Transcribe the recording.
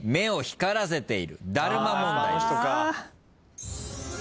だるま問題です。